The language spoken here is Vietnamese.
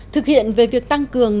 thực hiện về việc tăng cường